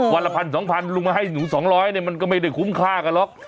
วันละพันสองพันลุงมาให้หนู๒๐๐เนี่ยมันก็ไม่ได้คุ้มค่ากันหรอก